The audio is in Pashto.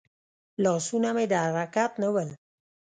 لاسونه مې د حرکت نه ول.